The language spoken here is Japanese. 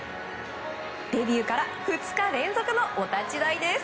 デビューから２日連続のお立ち台です。